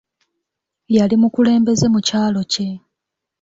Yali mukulembeze mu kyalo kye.